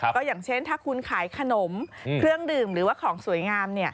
ก็อย่างเช่นถ้าคุณขายขนมเครื่องดื่มหรือว่าของสวยงาม